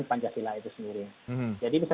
pancasila itu sendiri jadi bisa